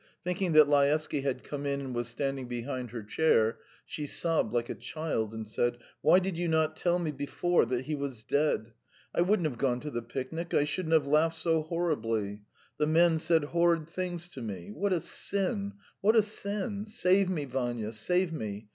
Thinking that Laevsky had come in and was standing behind her chair, she sobbed like a child, and said: "Why did you not tell me before that he was dead? I wouldn't have gone to the picnic; I shouldn't have laughed so horribly. ... The men said horrid things to me. What a sin, what a sin! Save me, Vanya, save me.